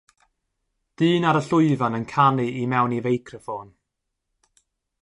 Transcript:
dyn ar y llwyfan yn canu i mewn i feicroffon.